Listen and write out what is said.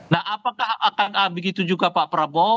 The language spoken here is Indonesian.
nah apakah akan begitu juga pak prabowo